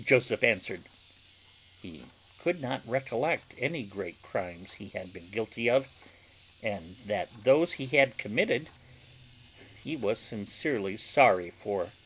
Joseph answered, "He could not recollect any great crimes he had been guilty of, and that those he had committed he was sincerely sorry for."